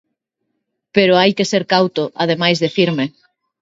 Pero hai que ser cauto, ademais de firme.